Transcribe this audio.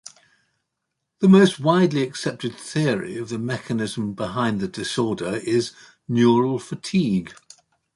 The most widely accepted theory of the mechanism behind the disorder is "neural fatigue".